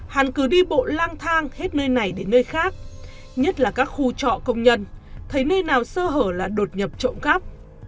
hẳn cứ đi bộ lang thang hết nơi này đến nơi khác nhất là các khu trọ công nhân thấy nơi nào sơ hở là đột nhập trộm cắp